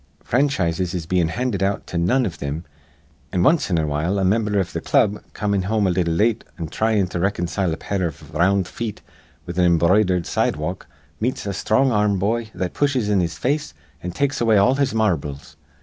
Franchises is bein' handed out to none iv thim; an' wanst in a while a mimber iv th' club, comin' home a little late an' thryin' to riconcile a pair iv r round feet with an embroidered sidewalk, meets a sthrong ar rm boy that pushes in his face an' takes away all his marbles.